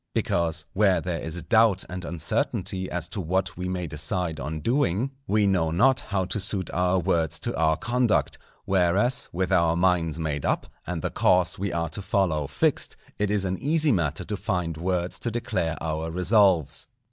Because, where there is doubt and uncertainty as to what we may decide on doing, we know not how to suit our words to our conduct; whereas, with our minds made up, and the course we are to follow fixed, it is an easy matter to find words to declare our resolves.